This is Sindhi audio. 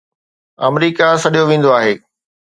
آمريڪا سڏيو ويندو آهي